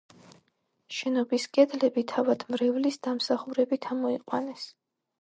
შენობის კედლები თავად მრევლის დამსახურებით ამოიყვანეს.